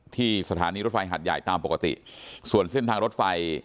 ที่สถานีรถไฟหัดใหญ่ตามปกติส่วนเส้นทางรถไฟ